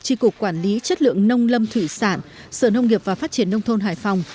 tri cục quản lý chất lượng nông lâm thủy sản sở nông nghiệp và phát triển nông thôn hải phòng